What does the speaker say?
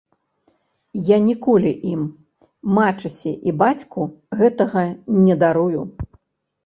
Я ніколі ім, мачасе і бацьку, гэтага не дарую.